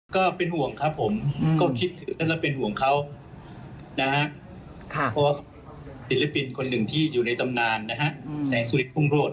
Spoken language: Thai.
ก็เป็นห่วงครับผมเซ็ลลิปินผู้หญิงในตำนานแสงสุรีย์ุ่งรถ